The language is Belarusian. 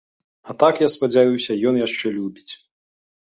А так, я спадзяюся, ён яшчэ любіць.